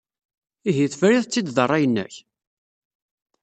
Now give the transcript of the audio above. Ihi, tefrid-tt-id ed ṛṛay-nnek?